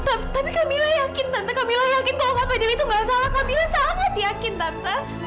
tapi kamila yakin tante kamila yakin kalau fadil itu nggak salah kamila sangat yakin tante